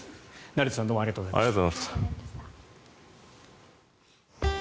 成田さんどうもありがとうございました。